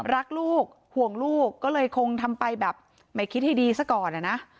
รักลูกห่วงลูกก็เลยคงทำไปแบบไม่คิดให้ดีซะก่อนอะนะ